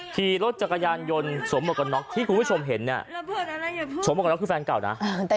ทีรถจักรยานยนต์สมกะน๊อกที่คุณคุณผู้ชมเห็นเนี่ยสมกะน๊อกคือแฟนเก่านะ